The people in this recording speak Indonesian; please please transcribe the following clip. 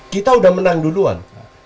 kita udah menang duluan